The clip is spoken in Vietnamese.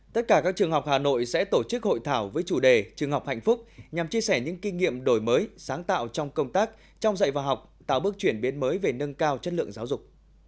tất cả các trường học hà nội sẽ tổ chức hội thảo với chủ đề trường học hạnh phúc nhằm chia sẻ những kinh nghiệm đổi mới sáng tạo trong công tác trong dạy và học tạo bước chuyển biến mới về nâng cao chất lượng giáo dục